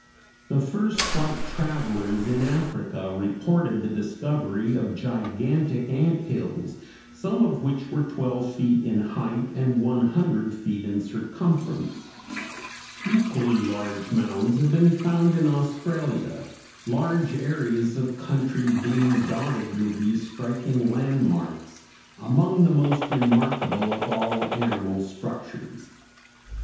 The first white travelers in Africa reported the discovery of gigantic ant hills, some of which were twelve feet in height (Fig. 190) and one hundred feet in circumference. Equally large mounds have been found in Australia, large areas of country being dotted with these striking landmarks, among the most remarkable of all animal structures.